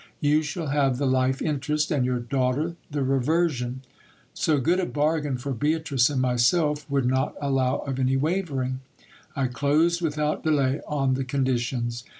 You shall have the life interest, and your daughter the reversion. So good a bargain for Beatrice and myself would not allow of any wavering : I dosed without delay on the conditions.